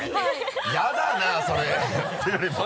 やだなそれ